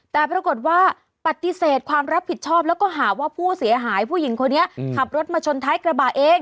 แต่ปรากฏว่าปฏิเสธความรับผิดชอบแล้วก็หาว่าผู้เสียหายผู้หญิงคนนี้ขับรถมาชนท้ายกระบะเอง